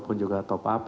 walaupun juga top up